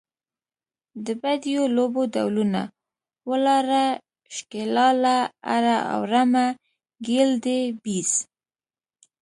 د بډیو لوبو ډولونه، ولاړه، شکیلاله، اره او رمه، ګیلدي، بیز …